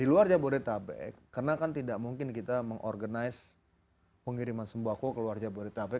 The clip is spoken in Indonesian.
di luar jabodetabek karena kan tidak mungkin kita mengorganize pengiriman sembako ke luar jabodetabek